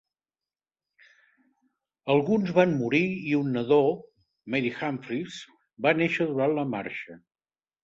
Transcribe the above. Alguns van morir i un nadó, Mary Humphries, va néixer durant la marxa.